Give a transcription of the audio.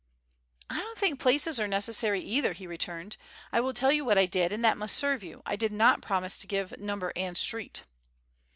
"I don't think places are necessary either," he returned. "I will tell you what I did and that must serve you. I did not promise to give number and street."